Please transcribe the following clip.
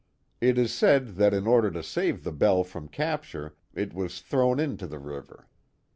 It is said that in order to save the bell from capture it was thrown into the river.